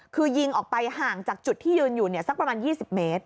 คือยิงออกไปห่างจากจุดที่ยืนอยู่สักประมาณ๒๐เมตร